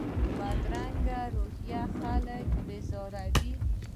بدرنګه رویه خلک بېزاروي